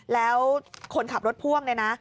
แล้วคนขับรถพ่วงเนี่ยนะ